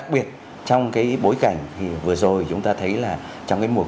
với cái bối cảnh thì vừa rồi chúng ta thấy là trong cái mùa